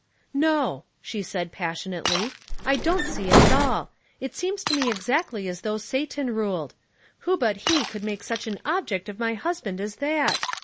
" No," she said, passionately, "I don't see it at all ; it seems to me exactly as though Satan ruled. "Who but he could make such an object of my husband as that?